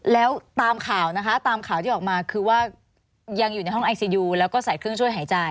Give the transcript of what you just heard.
แล้วตามข่าวนะคะตามข่าวที่ออกมาคือว่ายังอยู่ในห้องไอซียูแล้วก็ใส่เครื่องช่วยหายใจ